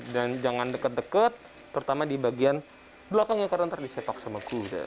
dan jangan dekat dekat terutama di bagian belakang ya karena nanti disetok sama kuda